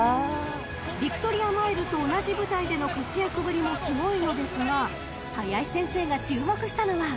［ヴィクトリアマイルと同じ舞台での活躍ぶりもすごいのですが林先生が注目したのは］